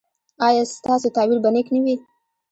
ایا ستاسو تعبیر به نیک نه وي؟